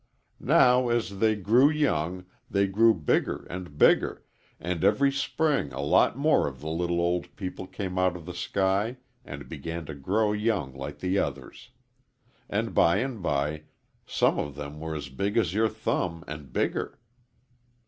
Now, as they grew young they grew bigger and bigger, and every spring a lot more of the little old people came out of the sky and began to grow young like the others. And by and by some of them were as big as your thumb and bigger."